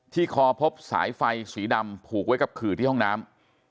คอพบสายไฟสีดำผูกไว้กับขื่อที่ห้องน้ำ